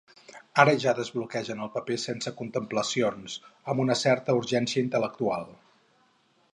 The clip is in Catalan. Ara ja desdobleguen el paper sense contemplacions, amb una certa urgència intel·lectual.